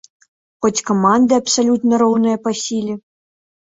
Хоць каманды абсалютна роўныя па сіле.